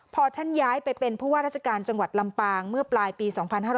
พอท่านย้ายไปเป็นผู้ว่าราชการจังหวัดลำปางเมื่อปลายปี๒๕๕๙